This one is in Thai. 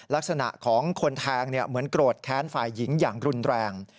ลักษณะของคนแทงเหมือนโกรธแค้นฝ่ายหญิงอย่างรุนแรง